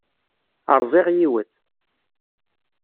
Rẓiɣ yiwet.